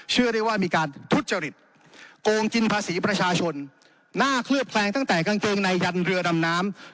เชื่อได้ว่ามีการทุจริตโกงกินภาษีประชาชนน่าเคลือบแคลงตั้งแต่กางเกงในยันเรือดำน้ำ